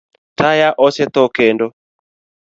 Taya osetho kendo?